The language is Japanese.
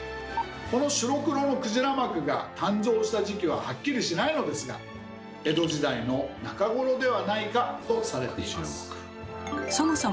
この白黒の「鯨幕」が誕生した時期ははっきりしないのですが江戸時代の中頃ではないかとされています。